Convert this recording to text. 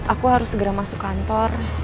aku harus segera masuk kantor